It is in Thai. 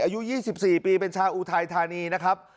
อายุยี่สิบสี่ปีเป็นชาอูไททานีนะครับ